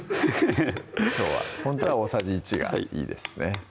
きょうはほんとは大さじ１がいいですね